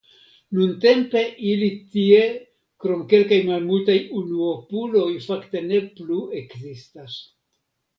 Nuntempe ili tie krom kelkaj malmultaj unuopuloj fakte ne plu ekzistas.